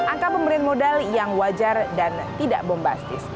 angka pemberian modal yang wajar dan tidak bombastis